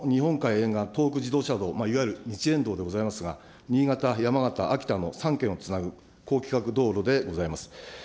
沿岸東北自動車道、いわゆる日沿道でございますが、新潟、山形、秋田の３県をつなぐ、高規格道路でございます。